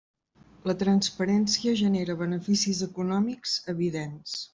La transparència genera beneficis econòmics evidents.